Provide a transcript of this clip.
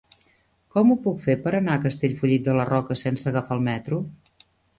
Com ho puc fer per anar a Castellfollit de la Roca sense agafar el metro?